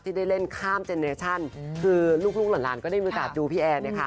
ที่ได้เล่นข้ามเจนเนอร์ชันคือลูกหล่านก็ได้มีโอกาสดูพี่แอน